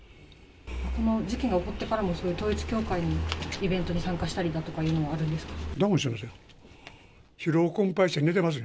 この事件が起こってからも、そういう統一教会のイベントに参加したりだとかというのはあるんダウンしてます。